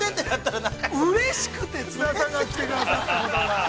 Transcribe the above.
◆うれしくて、津田さんが来てくださったことが。